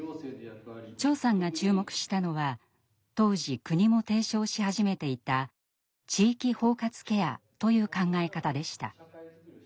長さんが注目したのは当時国も提唱し始めていた「地域包括ケア」という考え方でした。